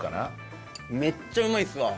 めっちゃうまいですわ！